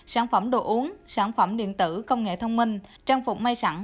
sản phẩm đồ uống sản phẩm điện tử công nghệ thông minh trang phục may sẵn